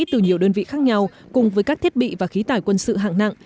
từ nhiều đơn vị khác nhau cùng với các thiết bị và khí tải quân sự hạng nặng